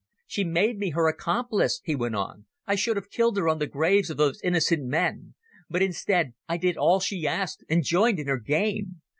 "She made me her accomplice," he went on. "I should have killed her on the graves of those innocent men. But instead I did all she asked and joined in her game